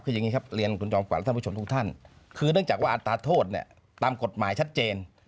คือถ้ามันร่วงเลยมาขณะที่เขาออกหมายได้เนี่ย